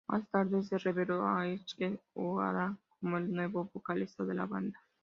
Más tarde se reveló a Ashe O’Hara como el nuevo vocalista de la banda.